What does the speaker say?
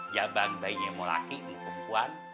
ya bang bangnya mau laki mau perempuan